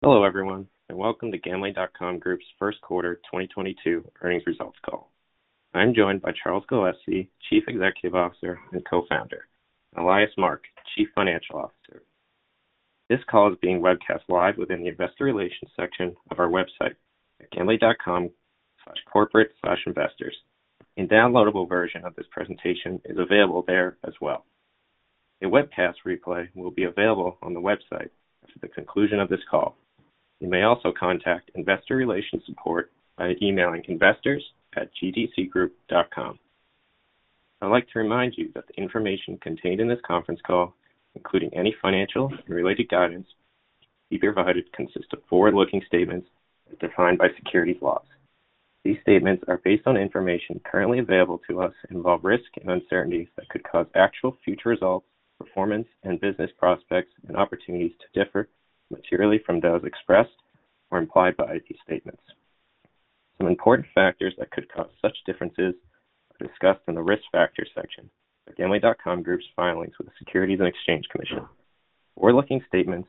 Hello, everyone, and welcome to Gambling.com Group's first quarter 2022 earnings results call. I'm joined by Charles Gillespie, Chief Executive Officer and Co-founder, Elias Mark, Chief Financial Officer. This call is being webcast live within the investor relations section of our website at gambling.com/corporate/investors. A downloadable version of this presentation is available there as well. A webcast replay will be available on the website after the conclusion of this call. You may also contact investor relations support by emailing investors@gdcgroup.com. I'd like to remind you that the information contained in this conference call, including any financial and related guidance we provide, consists of forward-looking statements as defined by securities laws. These statements are based on information currently available to us and involve risks and uncertainties that could cause actual future results, performance and business prospects and opportunities to differ materially from those expressed or implied by these statements. Some important factors that could cause such differences are discussed in the Risk Factors section of Gambling.com Group's filings with the Securities and Exchange Commission. Forward-looking statements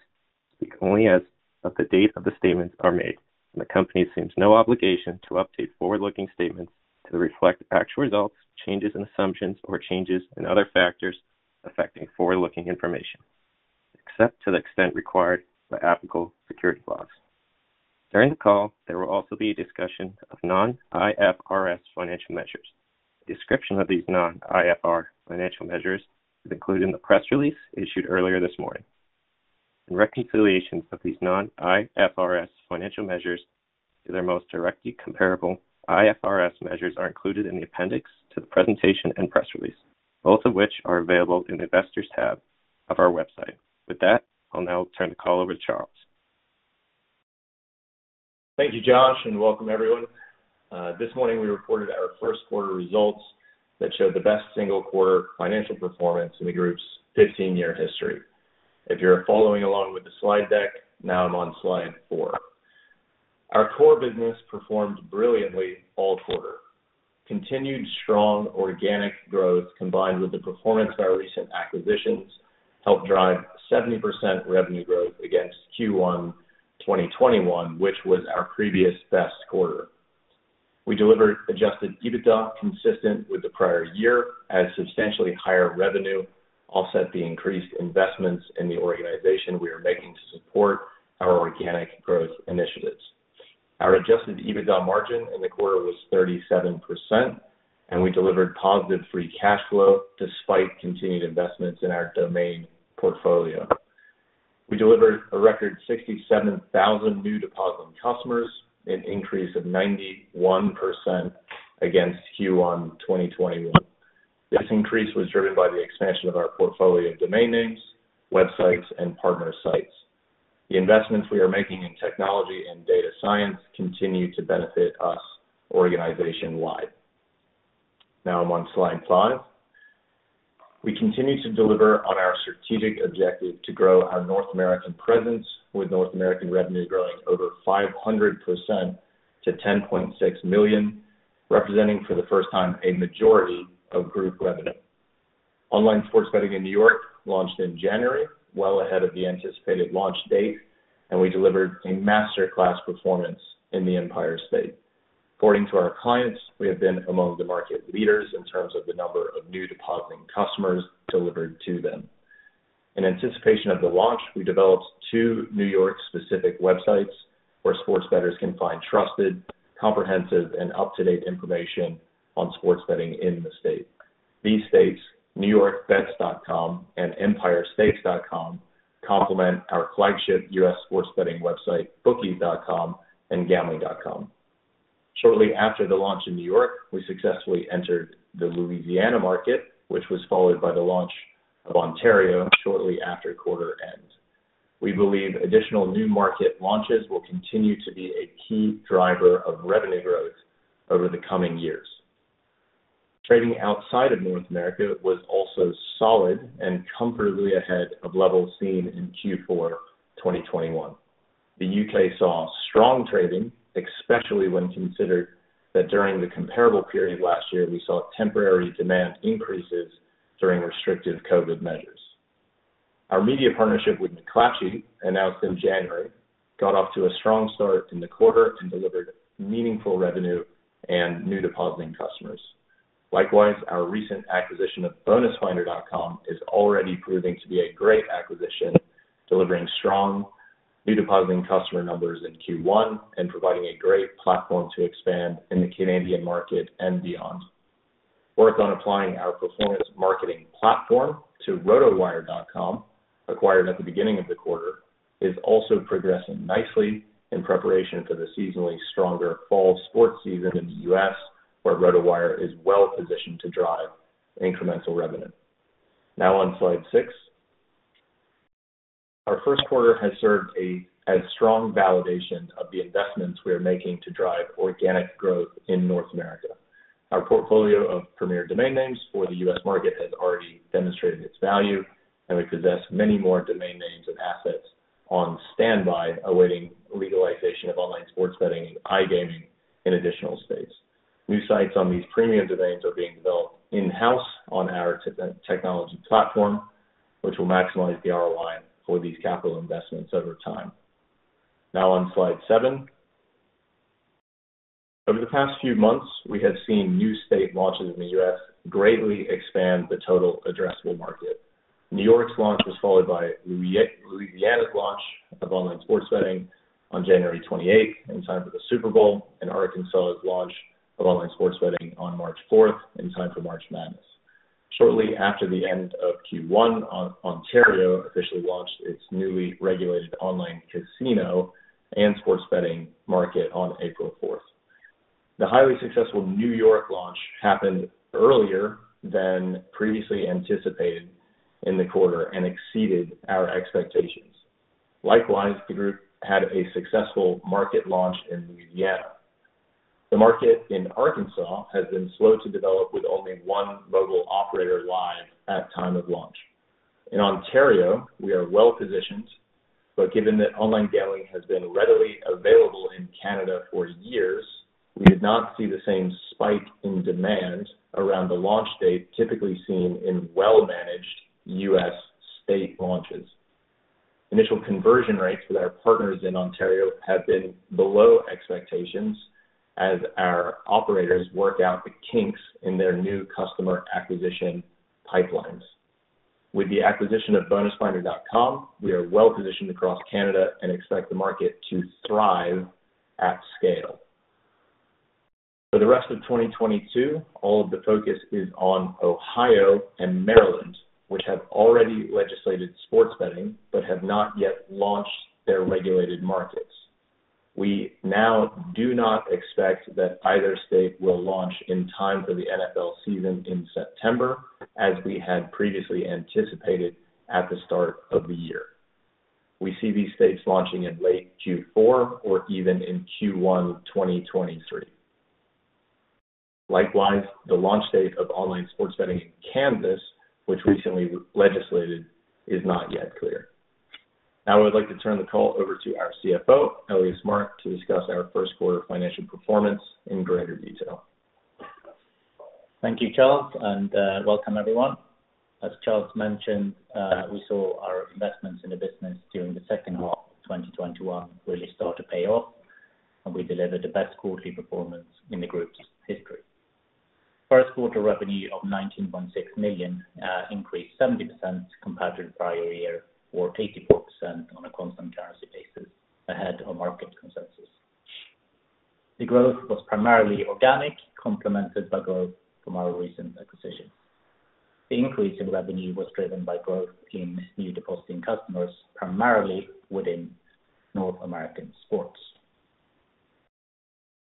speak only as of the date that the statements are made, and the company assumes no obligation to update forward-looking statements to reflect actual results, changes in assumptions, or changes in other factors affecting forward-looking information, except to the extent required by applicable securities laws. During the call, there will also be a discussion of non-IFRS financial measures. A description of these non-IFRS financial measures is included in the press release issued earlier this morning. Reconciliations of these non-IFRS financial measures to their most directly comparable IFRS measures are included in the appendix to the presentation and press release, both of which are available in the Investors tab of our website. With that, I'll now turn the call over to Charles. Thank you, Josh, and welcome everyone. This morning we reported our first quarter results that showed the best single quarter financial performance in the group's 15-year history. If you're following along with the slide deck, now I'm on slide four. Our core business performed brilliantly all quarter. Continued strong organic growth, combined with the performance of our recent acquisitions, helped drive 70% revenue growth against Q1 2021, which was our previous best quarter. We delivered adjusted EBITDA consistent with the prior year as substantially higher revenue offset the increased investments in the organization we are making to support our organic growth initiatives. Our adjusted EBITDA margin in the quarter was 37%, and we delivered positive free cash flow despite continued investments in our domain portfolio. We delivered a record 67,000 new depositing customers, an increase of 91% against Q1 2021. This increase was driven by the expansion of our portfolio of domain names, websites and partner sites. The investments we are making in technology and data science continue to benefit us organization-wide. Now I'm on slide five. We continue to deliver on our strategic objective to grow our North American presence, with North American revenue growing over 500% to $10.6 million, representing for the first time a majority of group revenue. Online sports betting in New York launched in January, well ahead of the anticipated launch date, and we delivered a master class performance in the Empire State. According to our clients, we have been among the market leaders in terms of the number of new depositing customers delivered to them. In anticipation of the launch, we developed two New York-specific websites where sports bettors can find trusted, comprehensive and up-to-date information on sports betting in the state. These sites, newyorkbets.com and empirestates.com, complement our flagship US sports betting website, Bookies.com and Gambling.com. Shortly after the launch in New York, we successfully entered the Louisiana market, which was followed by the launch of Ontario shortly after quarter end. We believe additional new market launches will continue to be a key driver of revenue growth over the coming years. Trading outside of North America was also solid and comfortably ahead of levels seen in Q4 2021. The U.K. saw strong trading, especially when considered that during the comparable period last year, we saw temporary demand increases during restrictive COVID measures. Our media partnership with McClatchy, announced in January, got off to a strong start in the quarter and delivered meaningful revenue and new depositing customers. Likewise, our recent acquisition of BonusFinder.com is already proving to be a great acquisition, delivering strong new depositing customer numbers in Q1 and providing a great platform to expand in the Canadian market and beyond. Work on applying our performance marketing platform to RotoWire.com, acquired at the beginning of the quarter, is also progressing nicely in preparation for the seasonally stronger fall sports season in the U.S., where RotoWire is well positioned to drive incremental revenue. Now on slide six. Our first quarter has served as strong validation of the investments we are making to drive organic growth in North America. Our portfolio of premier domain names for the U.S. market has already demonstrated its value, and we possess many more domain names and assets on standby, awaiting legalization of online sports betting and iGaming in additional states. New sites on these premium domains are being built in-house on our technology platform, which will maximize the ROI for these capital investments over time. Now on slide seven. Over the past few months, we have seen new state launches in the U.S. greatly expand the total addressable market. New York's launch was followed by Louisiana's launch of online sports betting on January 28, in time for the Super Bowl, and Arkansas' launch of online sports betting on March 4, in time for March Madness. Shortly after the end of Q1, Ontario officially launched its newly regulated online casino and sports betting market on April 4. The highly successful New York launch happened earlier than previously anticipated in the quarter and exceeded our expectations. Likewise, the group had a successful market launch in Louisiana. The market in Arkansas has been slow to develop with only one mobile operator live at time of launch. In Ontario, we are well-positioned, but given that online gambling has been readily available in Canada for years, we did not see the same spike in demand around the launch date typically seen in well-managed U.S. state launches. Initial conversion rates with our partners in Ontario have been below expectations as our operators work out the kinks in their new customer acquisition pipelines. With the acquisition of BonusFinder.com, we are well-positioned across Canada and expect the market to thrive at scale. For the rest of 2022, all of the focus is on Ohio and Maryland, which have already legislated sports betting but have not yet launched their regulated markets. We now do not expect that either state will launch in time for the NFL season in September, as we had previously anticipated at the start of the year. We see these states launching in late Q4 or even in Q1, 2023. Likewise, the launch date of online sports betting in Kansas, which recently legislated, is not yet clear. Now I would like to turn the call over to our CFO, Elias Mark, to discuss our first quarter financial performance in greater detail. Thank you, Charles, and welcome everyone. As Charles mentioned, we saw our investments in the business during the second half of 2021 really start to pay off, and we delivered the best quarterly performance in the group's history. First quarter revenue of $19.6 million increased 70% compared to the prior year or 84% on a constant currency basis ahead of market consensus. The growth was primarily organic, complemented by growth from our recent acquisitions. The increase in revenue was driven by growth in new depositing customers, primarily within North American sports.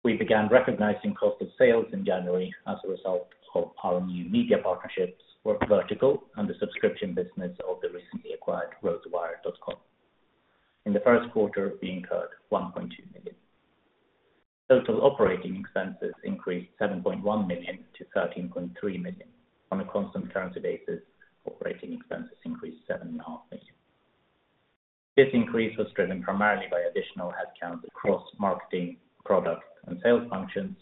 We began recognizing cost of sales in January as a result of our new media partnerships for Vertical and the subscription business of the recently acquired RotoWire.com. In the first quarter, we incurred $1.2 million. Total operating expenses increased $7.1 million to $13.3 million. On a constant currency basis, operating expenses increased $7.5 million. This increase was driven primarily by additional headcount across marketing, product and sales functions,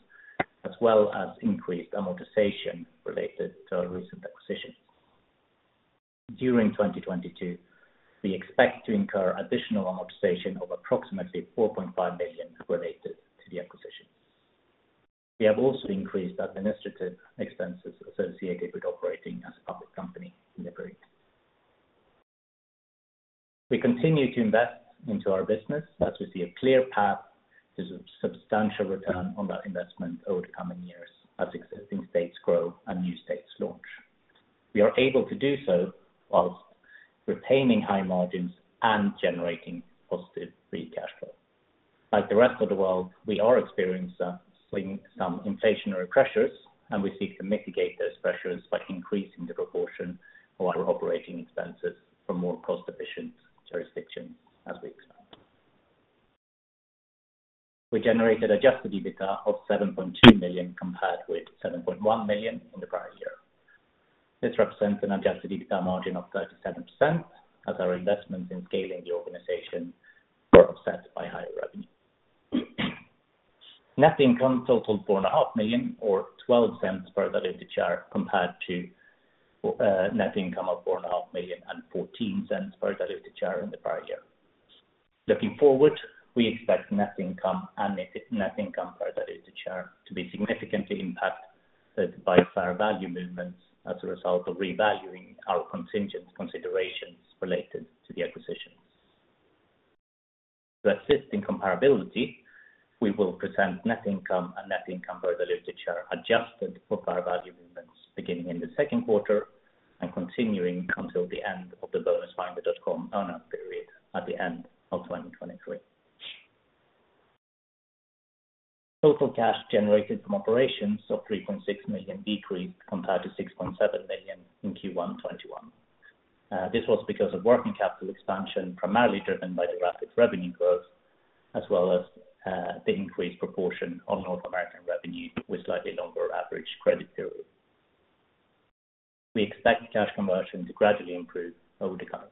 as well as increased amortization related to our recent acquisitions. During 2022, we expect to incur additional amortization of approximately $4.5 million related to the acquisitions. We have also increased administrative expenses associated with operating as a public company in the period. We continue to invest into our business as we see a clear path to substantial return on that investment over the coming years as existing states grow and new states launch. We are able to do so while retaining high margins and generating positive free cash flow. Like the rest of the world, we are experiencing some inflationary pressures, and we seek to mitigate those pressures by increasing the proportion of our operating expenses from more cost-efficient jurisdictions as we expand. We generated adjusted EBITDA of $7.2 million compared with $7.1 million in the prior year. This represents an adjusted EBITDA margin of 37% as our investments in scaling the organization were offset by higher revenue. Net income totaled $4.5 million or $0.12 per diluted share compared to net income of $4.5 million and $0.14 per diluted share in the prior year. Looking forward, we expect net income and net income per diluted share to be significantly impacted by fair value movements as a result of revaluing our contingent considerations related to the acquisitions. To assist in comparability, we will present net income and net income per diluted share adjusted for fair value movements beginning in the second quarter and continuing until the end of the BonusFinder.com earn-out period at the end of 2023. Total cash generated from operations of $3.6 million decreased compared to $6.7 million in Q1 2021. This was because of working capital expansion, primarily driven by the rapid revenue growth as well as the increased proportion of North American revenue with slightly longer average credit period. We expect cash conversion to gradually improve over the coming.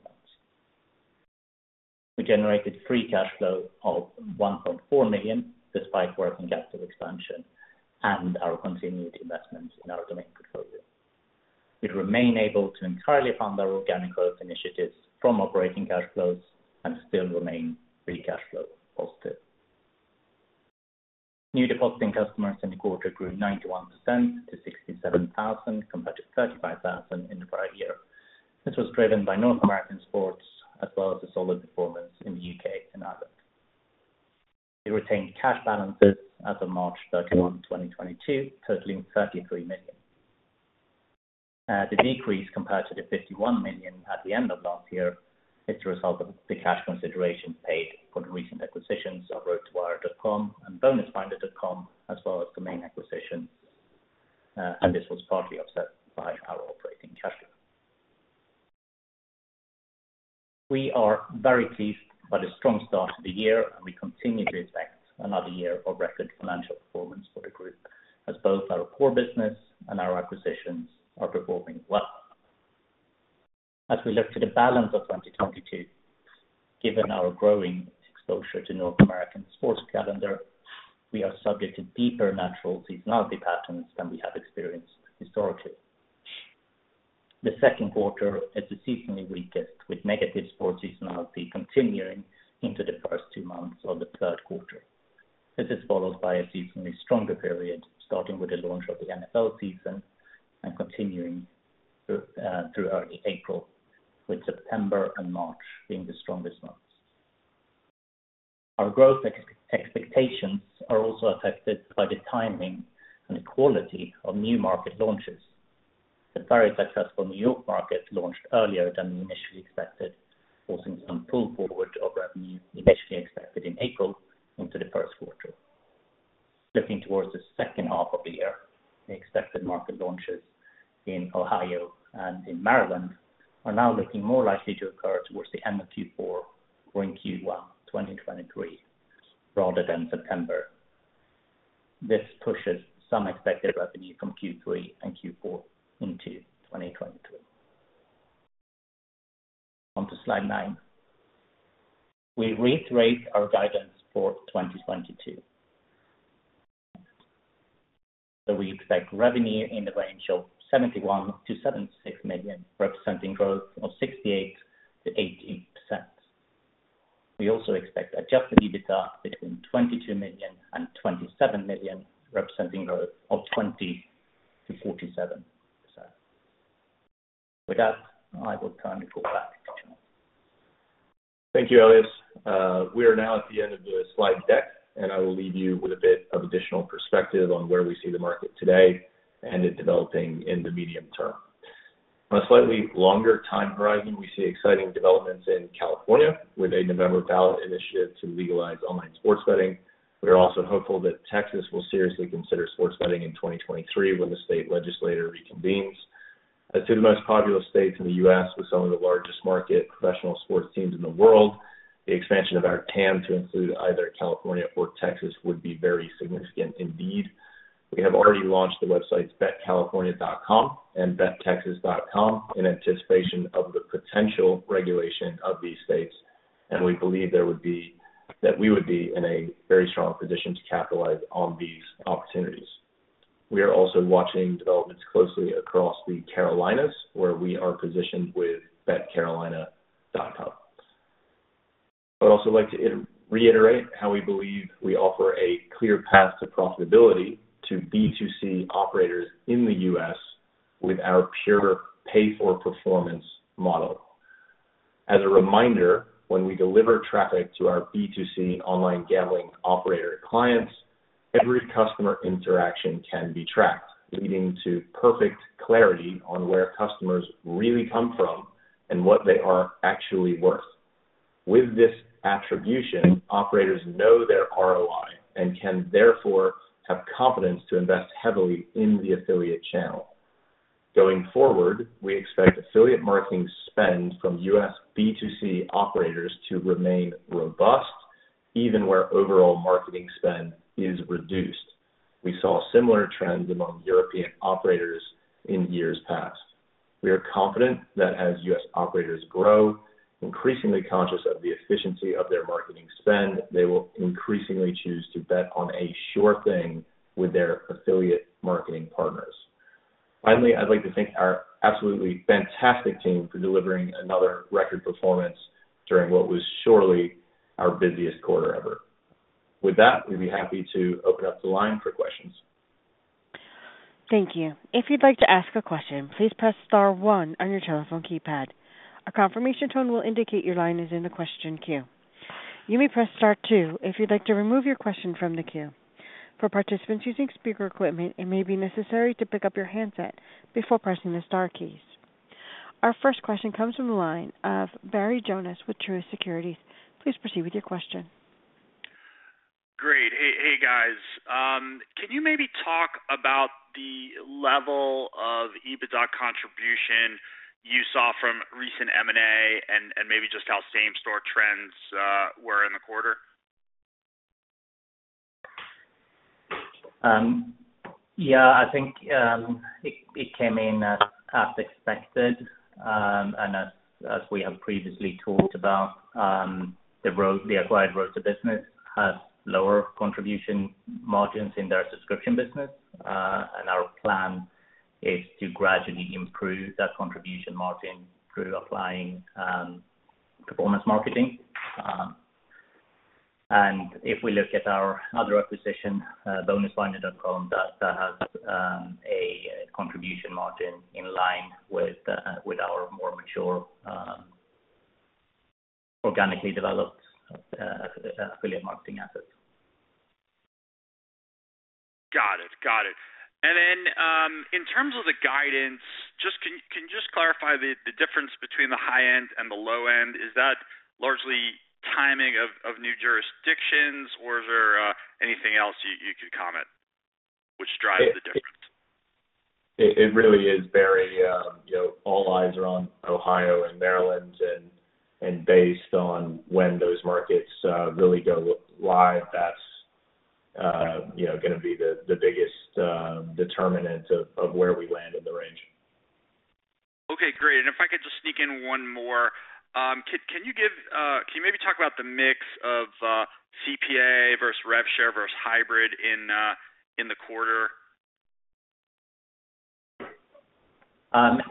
We generated free cash flow of $1.4 million despite working capital expansion and our continued investments in our domain portfolio. We remain able to entirely fund our organic growth initiatives from operating cash flows and still remain free cash flow positive. New depositing customers in the quarter grew 91% to 67,000 compared to 35,000 in the prior year. This was driven by North American sports as well as the solid performance in the U.K. and Ireland. They retained cash balances as of March 31, 2022, totaling $33 million. The decrease compared to the $51 million at the end of last year is the result of the cash consideration paid for the recent acquisitions of RotoWire.com and BonusFinder.com, as well as domain acquisitions. This was partly offset by our operating cash flows. We are very pleased by the strong start to the year, and we continue to expect another year of record financial performance for the group as both our core business and our acquisitions are performing well. As we look to the balance of 2022, given our growing exposure to North American sports calendar, we are subject to deeper natural seasonality patterns than we have experienced historically. The second quarter is the seasonally weakest, with negative sports seasonality continuing into the first two months of the third quarter. This is followed by a seasonally stronger period, starting with the launch of the NFL season and continuing through early April, with September and March being the strongest months. Our growth expectations are also affected by the timing and quality of new market launches. The very successful New York market launched earlier than we initially expected, forcing some pull forward of revenue initially expected in April into the first quarter. Looking towards the second half of the year, the expected market launches in Ohio and in Maryland are now looking more likely to occur towards the end of Q4 or in Q1 2023, rather than September. This pushes some expected revenue from Q3 and Q4 into 2023. On to slide nine. We reiterate our guidance for 2022. We expect revenue in the range of $71 million-$76 million, representing growth of 68%-80%. We also expect adjusted EBITDA between $22 million and $27 million, representing growth of 20%-47%. With that, I will kindly call back Charles. Thank you, Elias. We are now at the end of the slide deck, and I will leave you with a bit of additional perspective on where we see the market today and it developing in the medium term. On a slightly longer time horizon, we see exciting developments in California with a November ballot initiative to legalize online sports betting. We are also hopeful that Texas will seriously consider sports betting in 2023 when the state legislature reconvenes. As two of the most populous states in the U.S. with some of the largest market professional sports teams in the world, the expansion of our TAM to include either California or Texas would be very significant indeed. We have already launched the websites BetCalifornia.com and BetTexas.com in anticipation of the potential regulation of these states, and we believe that we would be in a very strong position to capitalize on these opportunities. We are also watching developments closely across the Carolinas, where we are positioned with BetCarolina.com. I'd also like to reiterate how we believe we offer a clear path to profitability to B2C operators in the U.S. with our pure pay-for-performance model. As a reminder, when we deliver traffic to our B2C online gambling operator clients, every customer interaction can be tracked, leading to perfect clarity on where customers really come from and what they are actually worth. With this attribution, operators know their ROI and can therefore have confidence to invest heavily in the affiliate channel. Going forward, we expect affiliate marketing spend from U.S. B2C operators to remain robust, even where overall marketing spend is reduced. We saw a similar trend among European operators in years past. We are confident that as U.S. operators grow, increasingly conscious of the efficiency of their marketing spend, they will increasingly choose to bet on a sure thing with their affiliate marketing partners. Finally, I'd like to thank our absolutely fantastic team for delivering another record performance during what was surely our busiest quarter ever. With that, we'd be happy to open up the line for questions. Thank you. If you'd like to ask a question, please press star one on your telephone keypad. A confirmation tone will indicate your line is in the question queue. You may press star two if you'd like to remove your question from the queue. For participants using speaker equipment, it may be necessary to pick up your handset before pressing the star keys. Our first question comes from the line of Barry Jonas with Truist Securities. Please proceed with your question. Great. Hey, hey guys, can you maybe talk about the level of EBITDA contribution you saw from recent M&A and maybe just how same-store trends were in the quarter? Yeah, I think it came in as expected. As we have previously talked about, the acquired RotoWire business has lower contribution margins in their subscription business. Our plan is to gradually improve that contribution margin through applying performance marketing. If we look at our other acquisition, BonusFinder.com, that has a contribution margin in line with our more mature organically developed affiliate marketing assets. Got it. In terms of the guidance, just can just clarify the difference between the high end and the low end, is that largely timing of new jurisdictions or is there anything else you could comment which drives the difference? It really is, Barry. You know, all eyes are on Ohio and Maryland, and based on when those markets really go live, that's you know, gonna be the biggest determinant of where we land in the range. Okay, great. If I could just sneak in one more. Can you maybe talk about the mix of CPA versus rev share versus hybrid in the quarter?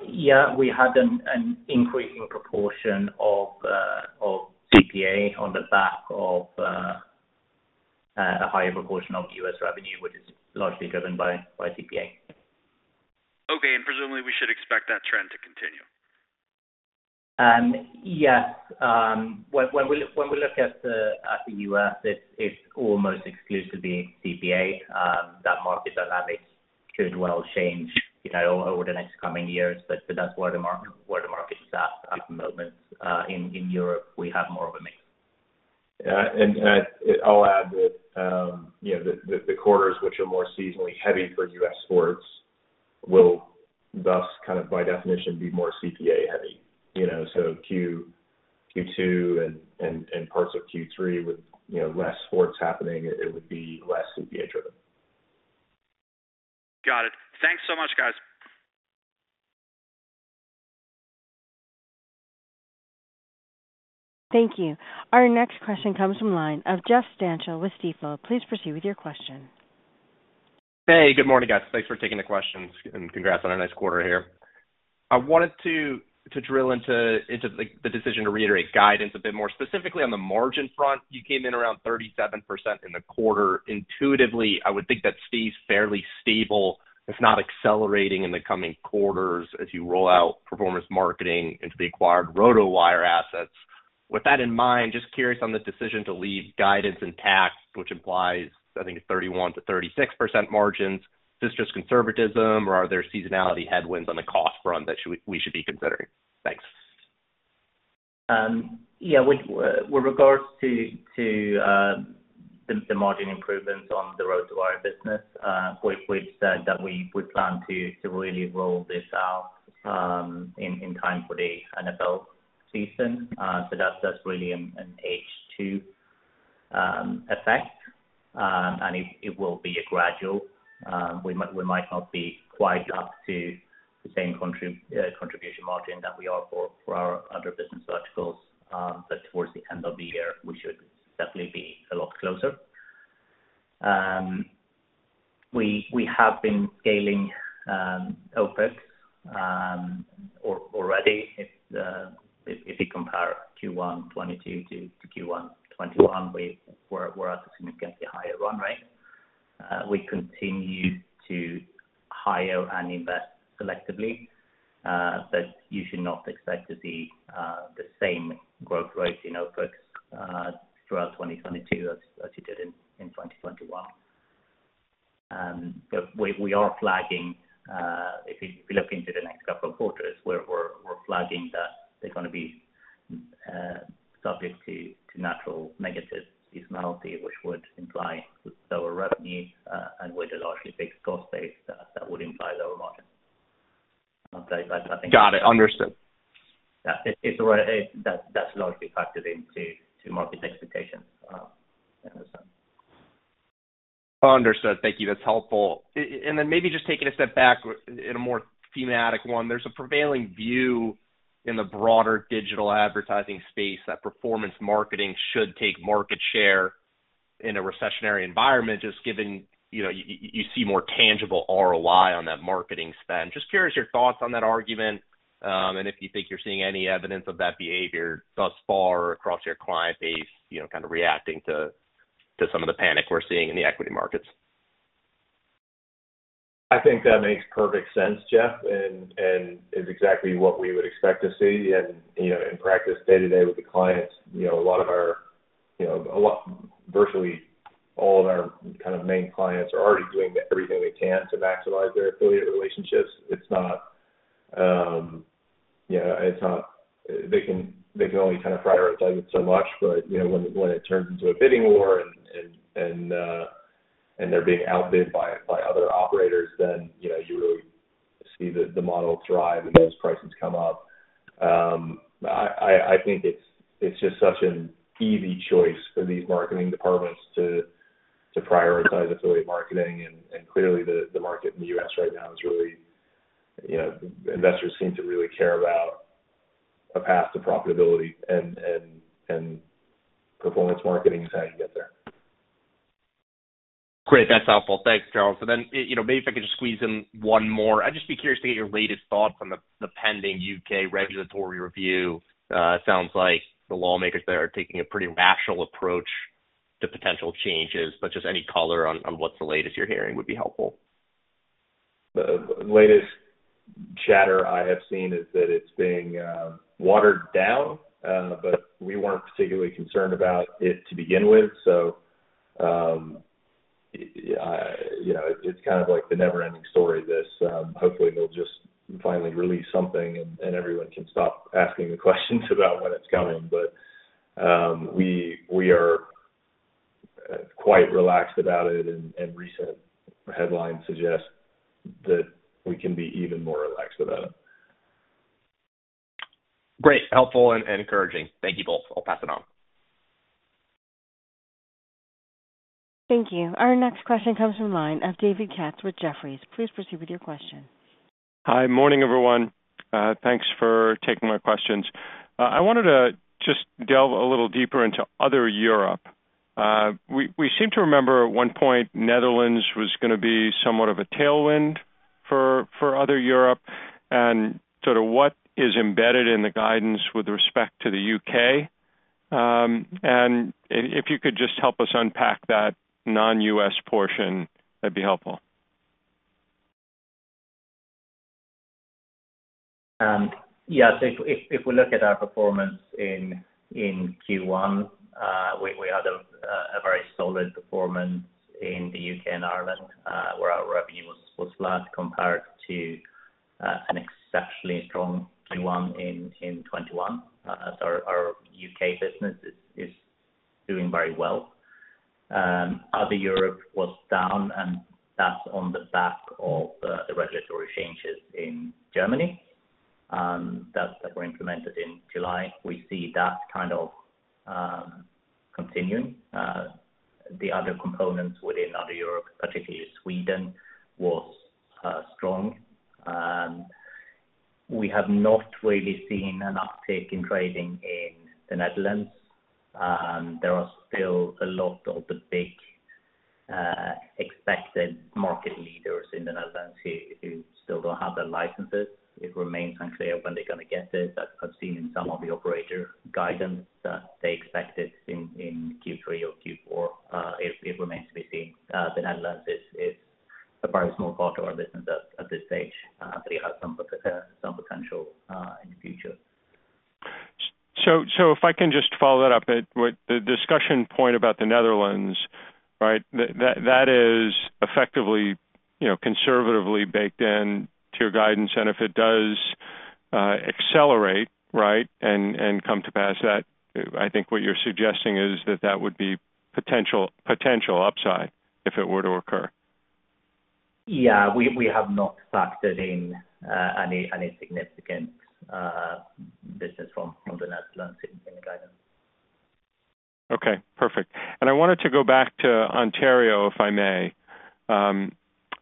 Yeah, we had an increasing proportion of CPA on the back of a higher proportion of U.S. revenue, which is largely driven by CPA. Okay. Presumably we should expect that trend to continue. Yes. When we look at the U.S., it's almost exclusively CPA. The market dynamics could well change, you know, over the next coming years, but that's where the market is at the moment. In Europe, we have more of a mix. I'll add that, you know, the quarters which are more seasonally heavy for U.S. sports will thus kind of by definition be more CPA heavy. You know, so Q2 and parts of Q3 with, you know, less sports happening, it would be less CPA driven. Got it. Thanks so much, guys. Thank you. Our next question comes from the line of Jeff Stantial with Stifel. Please proceed with your question. Hey, good morning, guys. Thanks for taking the questions and congrats on a nice quarter here. I wanted to drill into the decision to reiterate guidance a bit more specifically on the margin front. You came in around 37% in the quarter. Intuitively, I would think that stays fairly stable, if not accelerating in the coming quarters as you roll out performance marketing into the acquired RotoWire assets. With that in mind, just curious on the decision to leave guidance intact, which implies, I think, 31%-36% margins. Is this just conservatism or are there seasonality headwinds on the cost front that we should be considering? Thanks. Yeah, with regards to the margin improvements on the RotoWire business, we've said that we would plan to really roll this out in time for the NFL season. That's really an H2 effect. It will be a gradual. We might not be quite up to the same contribution margin that we are for our other business verticals. Towards the end of the year, we should definitely be a lot closer. We have been scaling OpEx already. If you compare Q1 2022 to Q1 2021, we're at a significantly higher run rate. We continue to hire and invest selectively, but you should not expect to see the same growth rate in OpEx throughout 2022 as you did in 2021. We are flagging, if you look into the next couple of quarters, we're flagging that they're gonna be subject to natural negative seasonality, which would imply lower revenue, and which is largely fixed cost base that would imply lower margin. Okay. That's, I think. Got it. Understood. Yeah. That's largely factored into market expectations. In a sense. Understood. Thank you. That's helpful. Taking a step back in a more thematic one, there's a prevailing view in the broader digital advertising space that performance marketing should take market share in a recessionary environment, just given, you know, you see more tangible ROI on that marketing spend. Just curious your thoughts on that argument, and if you think you're seeing any evidence of that behavior thus far across your client base, you know, kind of reacting to some of the panic we're seeing in the equity markets? I think that makes perfect sense, Jeff, and is exactly what we would expect to see. You know, in practice day-to-day with the clients, you know, virtually all of our kind of main clients are already doing everything they can to maximize their affiliate relationships. It's not, you know, they can only kind of prioritize it so much. You know, when it turns into a bidding war and they're being outbid by other operators, then, you know, you really see the model thrive and those prices come up. I think it's just such an easy choice for these marketing departments to prioritize affiliate marketing and clearly the market in the U.S. right now is really, you know, investors seem to really care about a path to profitability and performance marketing is how you get there. Great. That's helpful. Thanks, Charles. You know, maybe if I could just squeeze in one more. I'd just be curious to get your latest thought from the pending U.K. regulatory review. Sounds like the lawmakers there are taking a pretty rational approach to potential changes, but just any color on what's the latest you're hearing would be helpful. The latest chatter I have seen is that it's being watered down, but we weren't particularly concerned about it to begin with. You know, it's kind of like the never ending story, this, hopefully they'll just finally release something and everyone can stop asking the questions about when it's coming. We are quite relaxed about it and recent headlines suggest that we can be even more relaxed about it. Great. Helpful and encouraging. Thank you both. I'll pass it on. Thank you. Our next question comes from the line of David Katz with Jefferies. Please proceed with your question. Hi. Morning, everyone. Thanks for taking my questions. I wanted to just delve a little deeper into other Europe. We seem to remember at one point Netherlands was gonna be somewhat of a tailwind for other Europe, and sort of what is embedded in the guidance with respect to the U.K.. If you could just help us unpack that non-U.S. portion, that'd be helpful. Yes. If we look at our performance in Q1, we had a very solid performance in the U.K. and Ireland, where our revenue was flat compared to an exceptionally strong Q1 in 2021, as our U.K. business is doing very well. Other Europe was down, and that's on the back of the regulatory changes in Germany that were implemented in July. We see that kind of continuing. The other components within other Europe, particularly Sweden, was strong. We have not really seen an uptick in trading in the Netherlands. There are still a lot of the big expected market leaders in the Netherlands who still don't have their licenses. It remains unclear when they're gonna get this. I've seen in some of the operator guidance that they expect it in Q3 or Q4. It remains to be seen. The Netherlands is a very small part of our business at this stage, but it has some potential in the future. If I can just follow that up with the discussion point about the Netherlands, right? That is effectively, you know, conservatively baked into your guidance, and if it does accelerate, right, and come to pass, that I think what you're suggesting is that that would be potential upside if it were to occur. Yeah. We have not factored in any significant business from the Netherlands in the guidance. Okay. Perfect. I wanted to go back to Ontario, if I may,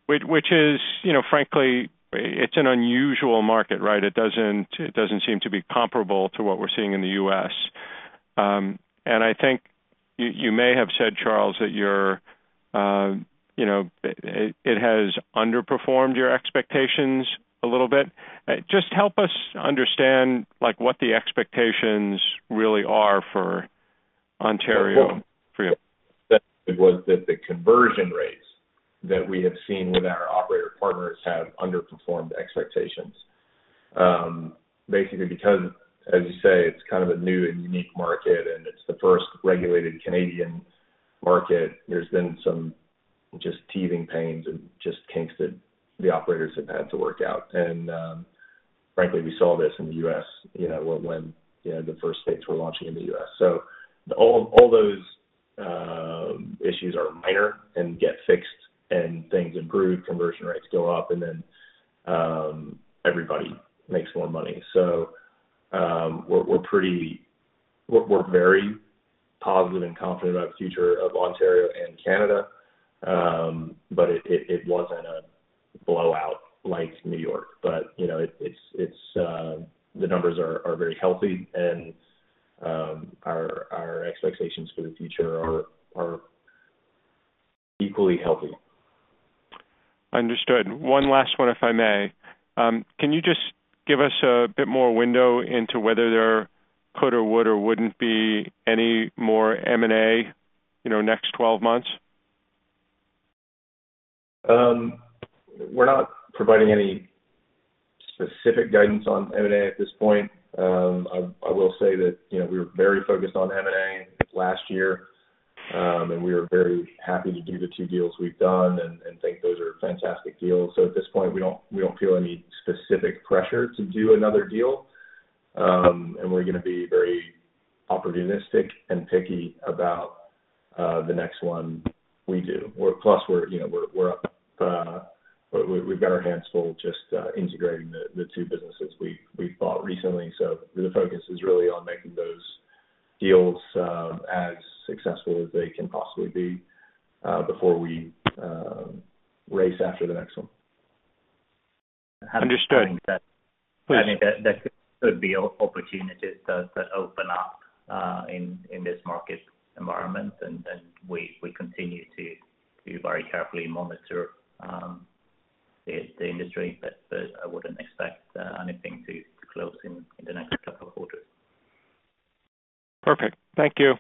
which is, you know, frankly, it's an unusual market, right? It doesn't seem to be comparable to what we're seeing in the U.S. I think you may have said, Charles, that you're, you know, it has underperformed your expectations a little bit. Just help us understand, like, what the expectations really are for Ontario for you? What about the conversion rates that we have seen with our operator partners have underperformed expectations, basically because, as you say, it's kind of a new and unique market, and it's the first regulated Canadian market. There's been some just teething pains and just kinks that the operators have had to work out. Frankly, we saw this in the U.S., you know, when, you know, the first states were launching in the U.S. All those issues are minor and get fixed and things improve, conversion rates go up, and then everybody makes more money. We're very positive and confident about the future of Ontario and Canada, but it wasn't a blowout like New York. You know, it's. The numbers are very healthy and our expectations for the future are equally healthy. Understood. One last one, if I may. Can you just give us a bit more window into whether there could or would or wouldn't be any more M&A, you know, next twelve months? We're not providing any specific guidance on M&A at this point. I will say that, you know, we were very focused on M&A last year, and we are very happy to do the two deals we've done and think those are fantastic deals. At this point, we don't feel any specific pressure to do another deal. We're gonna be very opportunistic and picky about the next one we do. Plus we're, you know, we've got our hands full just integrating the two businesses we bought recently. The focus is really on making those deals as successful as they can possibly be before we race after the next one. Understood. I think that. Please. I think that there could be opportunities that open up in this market environment and we continue to very carefully monitor the industry. I wouldn't expect anything to close in the next couple of quarters. Perfect. Thank you.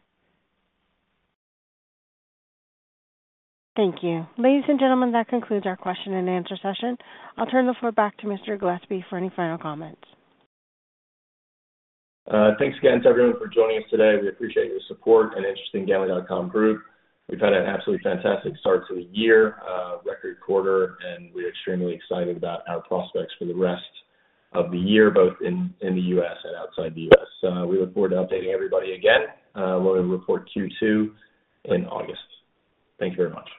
Thank you. Ladies and gentlemen, that concludes our question and answer session. I'll turn the floor back to Mr. Gillespie for any final comments. Thanks again to everyone for joining us today. We appreciate your support and interest in Gambling.com Group. We've had an absolutely fantastic start to the year, record quarter, and we're extremely excited about our prospects for the rest of the year, both in the U.S. and outside the U.S. We look forward to updating everybody again, when we report Q2 in August. Thank you very much.